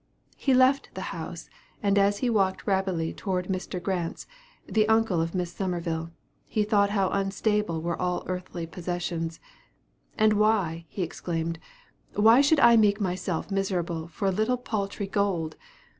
He left the house, and as he walked rapidly towards Mr. Grant's, the uncle of Miss Summerville, he thought how unstable were all earthly possessions, "and why," he exclaimed, "why should I make myself miserable for a little paltry gold?